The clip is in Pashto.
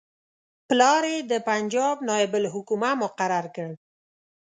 پلار یې د پنجاب نایب الحکومه مقرر کړ.